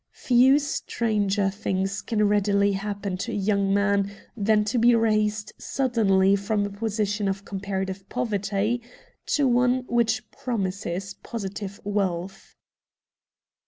Few stranger things can readily happen to a young man than to be raised suddenly from a position of comparative poverty to one which promises positive wealth.